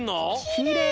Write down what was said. きれい！